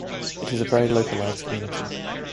It is a very localised community.